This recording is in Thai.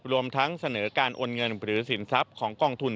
รวมทั้งเสนอการโอนเงินหรือสินทรัพย์ของกองทุน